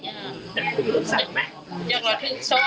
อยากให้สังคมรับรู้ด้วย